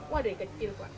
wah dari kecil